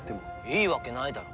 いいわけないだろ。